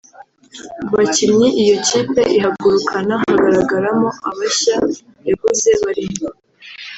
Mu bakinnyi iyo kipe ihagurukana hagaragaramo abashya yaguze barimo